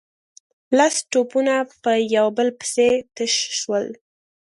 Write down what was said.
لس توپونه په يو بل پسې تش شول.